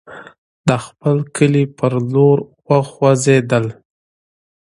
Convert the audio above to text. د خپل کلي پر لور وخوځېدل.